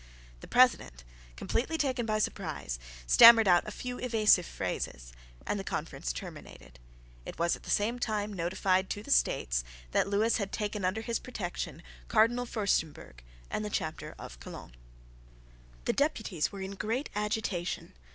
The President, completely taken by surprise, stammered out a few evasive phrases; and the conference terminated. It was at the same time notified to the States that Lewis had taken under his protection Cardinal Furstemburg and the Chapter of Cologne. The Deputies were in great agitation.